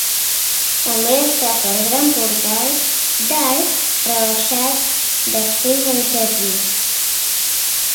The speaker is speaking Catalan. També destaca el gran portal d'arc rebaixat d'accés al jardí.